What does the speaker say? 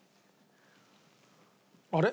あれ？